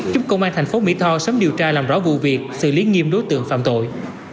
giúp công an thành phố mỹ tho sớm điều tra làm rõ vụ việc xử lý nghiêm đối tượng phạm tội